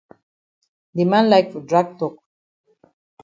De man like for drag tok.